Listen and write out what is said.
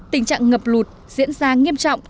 tình trạng ngập lụt diễn ra nghiêm trọng